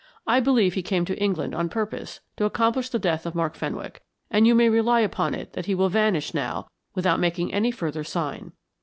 I believe he came to England on purpose to accomplish the death of Mark Fenwick, and you may rely upon it that he will vanish now without making any further sign."